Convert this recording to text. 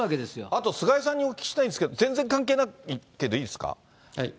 あと菅井さんにお聞きしたいんですけど、全然関係ないけどいいですか。